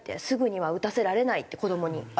すぐには打たせられないって子どもに。